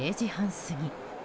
過ぎ